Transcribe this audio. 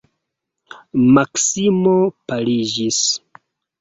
Maksimo paliĝis.